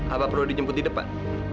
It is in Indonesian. apa perlu dijemput di depan